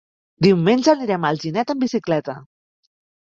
Diumenge anirem a Alginet amb bicicleta.